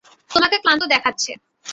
তোমাকে ক্লান্ত দেখাচ্ছে।